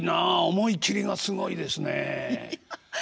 思い切りがすごいですねえ。